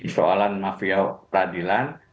soalan mafia peradilan